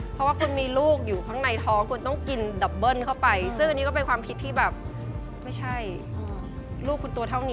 เพราะว่าคุณมีลูกอยู่ข้างในท้อง